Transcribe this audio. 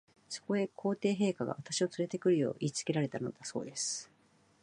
そこへ、皇帝陛下が、私をつれて来るよう言いつけられたのだそうです。